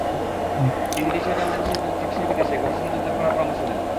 তিনি দেশীয় জামদানি শিল্পের টেকসই বিকাশে গবেষণা জোরদার করার পরামর্শ দেন।